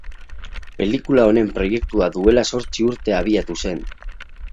Pelikula honen proiektua duela zortzi urte abiatu zen.